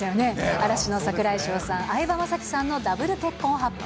嵐の櫻井翔さん、相葉雅紀さんのダブル結婚発表。